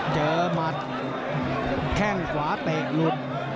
เจอหมัดแข้งขวาเตรียงลูด